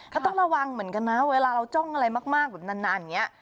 ก็ต้องระวังเหมือนกันนะเวลาเราจ้องอะไรมากแบบนานอย่างนี้